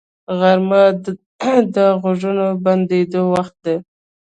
غرمه د غږونو بندیدو وخت دی